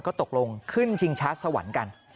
ก็ตกลงขึ้นชิงชาร์จสวรรค์กัน